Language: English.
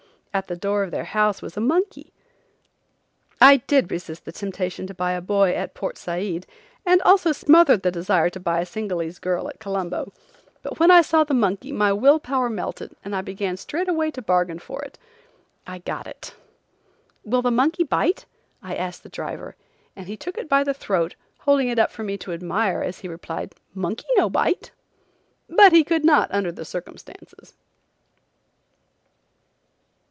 At the door of their home was a monkey. I did resist the temptation to buy a boy at Port Said and also smothered the desire to buy a Singalese girl at Colombo, but when I saw the monkey my will power melted and I began straightway to bargain for it. I got it. "Will the monkey bite?" I asked the driver, and he took it by the throat, holding it up for me to admire as he replied: "Monkey no bite." But he could not under the circumstances.